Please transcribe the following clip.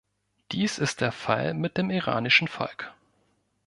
Dies ist der Fall mit dem iranischen Volk.